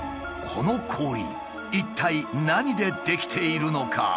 この氷一体何で出来ているのか？